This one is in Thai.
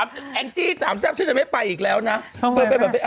เธอ๓แองจี้๓แซ่บฉันจะไม่ไปอีกแล้วนะทำไมแม่